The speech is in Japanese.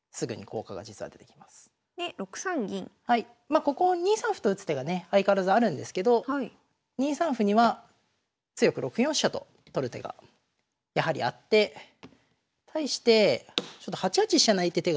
まあここ２三歩と打つ手がね相変わらずあるんですけど２三歩には強く６四飛車と取る手がやはりあって対して８八飛車成って手がね